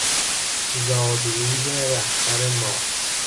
زاد روز رهبر ما